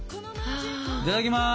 いただきます！